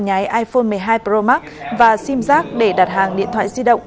nhái iphone một mươi hai pro max và sim giác để đặt hàng điện thoại di động